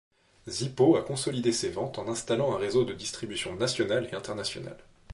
Zippo a consolidé ses ventes en installant un réseau de distribution national et international.